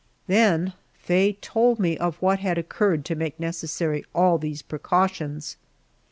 Then Faye told me of what had occurred to make necessary all these precautions.